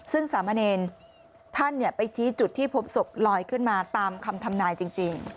ซึ่งสามเณรท่านไปชี้จุดที่พบศพลอยขึ้นมาตามคำทำนายจริง